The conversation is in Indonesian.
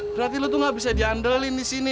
berarti lu tuh gak bisa diandelin disini